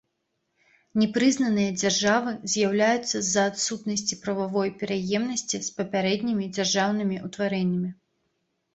Непрызнаныя дзяржавы з'яўляюцца з-за адсутнасці прававой пераемнасці з папярэднімі дзяржаўнымі ўтварэннямі.